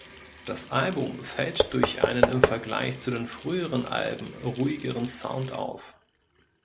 Das Album fällt durch einen im Vergleich zu den früheren Alben ruhigeren Sound auf.